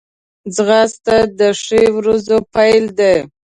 ځغاسته د ښې ورځې پیل دی